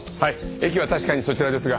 駅は確かにそちらですが。